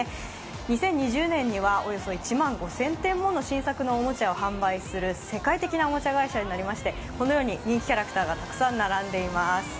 ２０２０年にはおよそ１万５０００点もの新作のおもちゃを発売する世界的なおもちゃ会社になりましてこのように人気キャラクターがたくさん並んでいます。